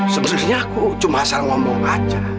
sebenarnya aku cuma salah ngomong saja